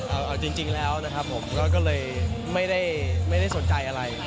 เอาจริงแล้วนะครับผมก็เลยไม่ได้สนใจอะไร